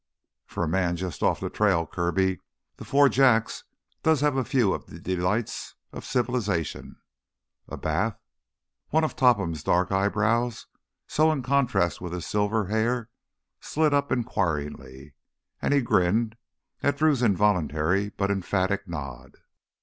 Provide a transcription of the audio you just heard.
"For a man just off the trail, Kirby, the Four Jacks does have a few of the delights of civilization. A bath...." One of Topham's dark eyebrows, so in contrast to his silvery hair, slid up inquiringly, and he grinned at Drew's involuntary but emphatic nod.